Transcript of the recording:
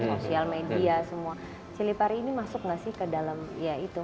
sosial media semua cili pari ini masuk gak sih ke dalam ya itu